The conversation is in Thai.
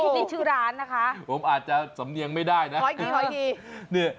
นี่ชื่อร้านนะคะผมอาจจะสำเนียงไม่ได้นะขออีกทีขออีกที